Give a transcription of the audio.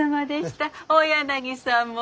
大柳さんも。